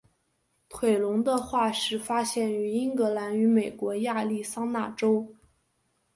腿龙的化石发现于英格兰与美国亚利桑那州。